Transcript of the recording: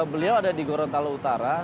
beliau ada di gorontalo utara